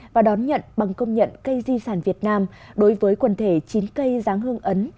và đón nhận bằng công nhận cây di sản việt nam đối với quần thể chín cây giáng hương ấn